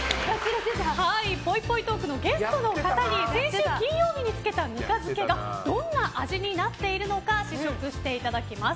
ぽいぽいトークのゲストの方に先週金曜日に漬けたぬか漬けがどんな味になっているのか試食していただきます。